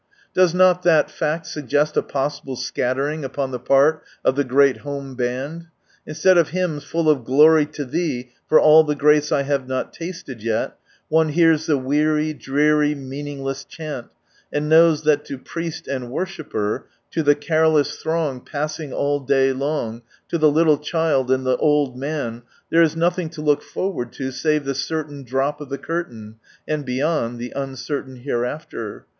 (Does not that fact suggest a possible scattering upon the part of the great home band ?) Instead of hymns full of " glory to Thee for all the grace I have not tasted yet," one hears the weary, dreary, meaningless chant, and knows that to priest and worshipper, to the careless throng passing all day long, to the httle child, and the old man, there is nothing to look forward to save the certain drop of the curtain, and beyond, the uncertain hereafter.